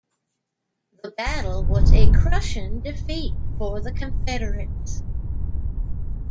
The battle was a crushing defeat for the Confederates.